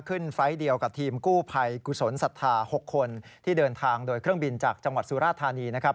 ไฟล์เดียวกับทีมกู้ภัยกุศลศรัทธา๖คนที่เดินทางโดยเครื่องบินจากจังหวัดสุราธานีนะครับ